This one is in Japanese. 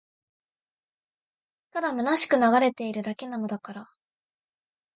ただ空しく流れているだけなのだから